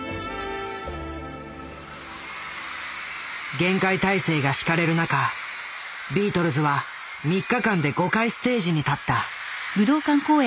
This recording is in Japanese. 厳戒態勢が敷かれる中ビートルズは３日間で５回ステージに立った。